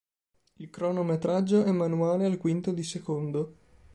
Il cronometraggio è manuale al quinto di secondo.